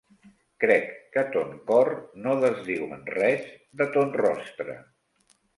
Crec que ton cor no desdiu en res de ton rostre.